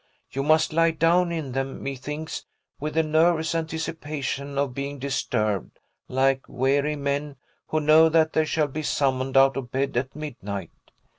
You must lie down in them, methinks, with a nervous anticipation of being disturbed, like weary men who know that they shall be summoned out of bed at midnight.